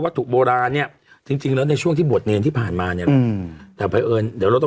วัตถุบรารเนี่ยจริงแล้วในช่วงที่หมดเนธี่ผ่านมาปัดไปเอิญเดี๋ยวต้อง